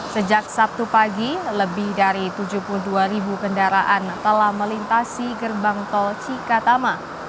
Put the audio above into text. sejak sabtu pagi lebih dari tujuh puluh dua ribu kendaraan telah melintasi gerbang tol cikatama